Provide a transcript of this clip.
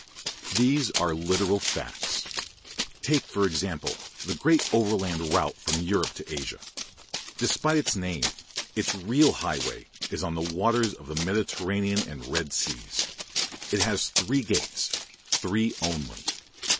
These are literal facts. Take, for example, the great Overland Route from Europe to Asia. Despite its name, its real highway is on the waters of the Mediterranean and Red Seas. It has three gates three only.